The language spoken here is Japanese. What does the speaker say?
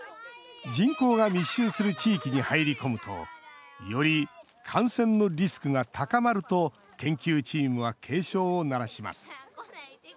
人口が密集する地域に入り込むと、より感染のリスクが高まると、研究チームは警鐘を鳴らします。